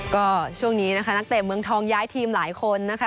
ก็ช่วงนี้นะคะนักเตะเมืองทองย้ายทีมหลายคนนะคะ